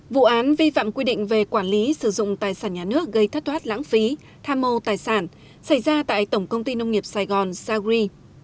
vụ án vi phạm quy định về quản lý sử dụng tài sản nhà nước gây thất thoát lãng phí tham mâu tài sản xảy ra tại tổng công ty nông nghiệp sài gòn sagri